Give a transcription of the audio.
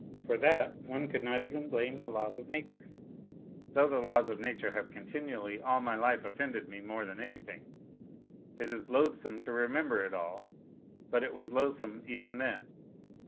... For that one could not blame even the laws of nature, though the laws of nature have continually all my life offended me more than anything. It is loathsome to remember it all, but it was loathsome even then.